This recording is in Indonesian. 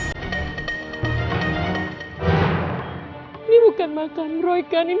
sister ini bukan makan roy kan ini siapa